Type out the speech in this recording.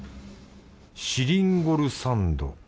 シリンゴルサンド。